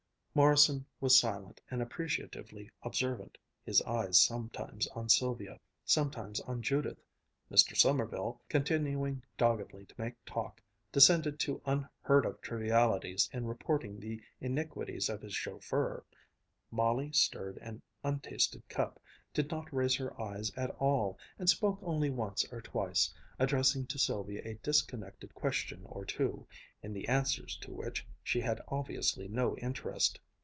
Morrison was silent and appreciatively observant, his eyes sometimes on Sylvia, sometimes on Judith; Mr. Sommerville, continuing doggedly to make talk, descended to unheard of trivialities in reporting the iniquities of his chauffeur; Molly stirred an untasted cup, did not raise her eyes at all, and spoke only once or twice, addressing to Sylvia a disconnected question or two, in the answers to which she had obviously no interest.